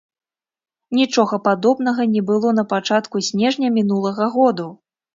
Нічога падобнага не было напачатку снежня мінулага году.